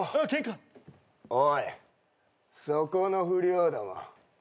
おいそこの不良ども。